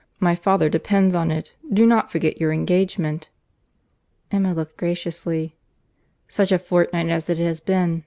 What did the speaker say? My father depends on it. Do not forget your engagement." Emma looked graciously. "Such a fortnight as it has been!"